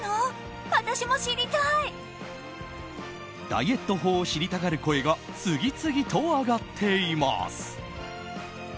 ダイエット法を知りたがる声が次々と上がっています。